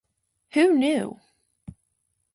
Who knew?